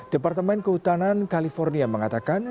departemen kehutanan california mengatakan